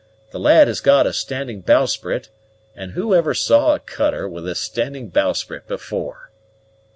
The lad has got a standing bowsprit, and who ever saw a cutter with a standing bowsprit before?"